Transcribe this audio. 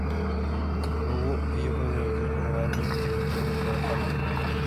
Luego ello, fue Director General de Inversiones para Samsung.